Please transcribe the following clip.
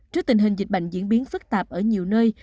trước tình hình dịch bệnh diễn biến phức tạp ở nhiều nơi